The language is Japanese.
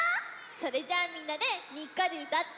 それじゃあみんなでにっこりうたって。